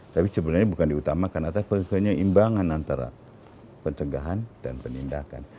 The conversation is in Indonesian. tapi sebenarnya bukan diutamakan atas penyeimbangan antara pencegahan dan penindakan